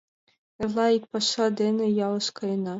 Эрла ик паша дене ялыш каена.